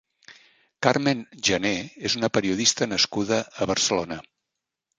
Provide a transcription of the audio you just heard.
Carmen Jané és una periodista nascuda a Barcelona.